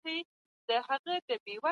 اسلام د سولې دين دی.